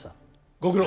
ご苦労。